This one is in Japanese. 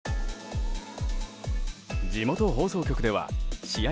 地元放送局では試合